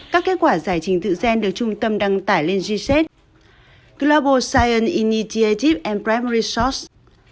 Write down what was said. các kết quả giải trình tự gen được trung tâm đăng tải lên g shed global science initiative and primary source